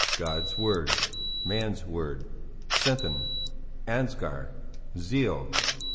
God's word. Man's word. Centen. Ansgar. Zeal.